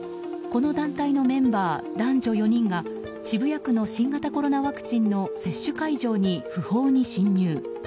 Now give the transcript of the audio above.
この団体のメンバー男女４人が渋谷区の新型コロナワクチンの接種会場に不法に侵入。